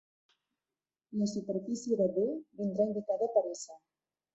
La superfície de "D" vindrà indicada per "S".